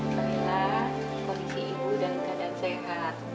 perila kondisi ibu dalam keadaan sehat